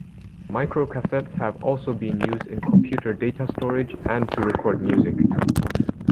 Microcassettes have also been used in computer data storage and to record music.